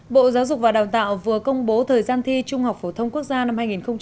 bộ giáo dục và đào tạo vừa công bố thời gian thi trung học phổ thông quốc gia năm hai nghìn một mươi chín